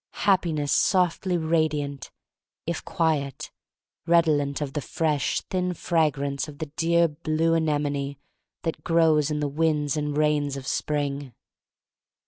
Happiness softly radiant, if quiet — redolent of the fresh, thin fragrance of the dear blue anemone that grows in the winds and rains of spring.